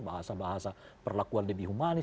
bahasa bahasa perlakuan lebih humanis